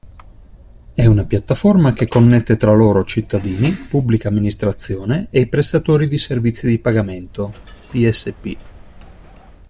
È una piattaforma che connette tra loro cittadini, Pubblica Amministrazione e i Prestatori di Servizi di Pagamento (PSP).